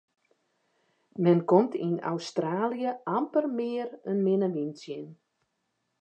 Men komt yn Australië amper mear in minne wyn tsjin.